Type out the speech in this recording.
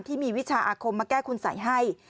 ที่มีวิชาอาคมมาแก้คุณใส่ให้